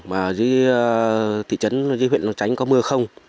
mà ở dưới thị trấn dưới huyện nó tránh có mưa không